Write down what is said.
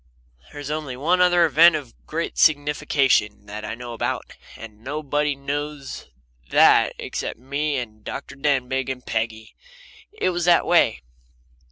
There's only one other event of great signification that I know about, and nobody knows that except me and Dr. Denbigh and Peggy. It was this way.